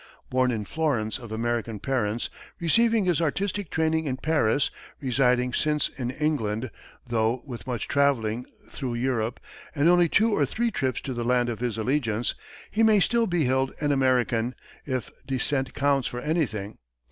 Born in Florence of American parents, receiving his artistic training in Paris, residing since in England, though with much travelling through Europe and only two or three trips to the land of his allegiance, he may still be held an American, if descent counts for anything.